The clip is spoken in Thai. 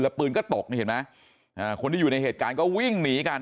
แล้วปืนก็ตกนี่เห็นไหมอ่าคนที่อยู่ในเหตุการณ์ก็วิ่งหนีกัน